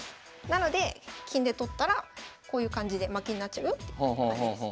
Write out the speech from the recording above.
なので金で取ったらこういう感じで負けになっちゃうよって感じです。